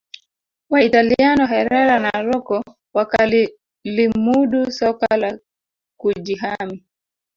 Waitaliano Herera na Rocco wakalilimudu soka la kujihami